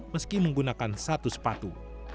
meski menggunakan satu sepatu